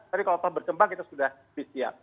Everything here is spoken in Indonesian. tapi kalau berkembang kita sudah siap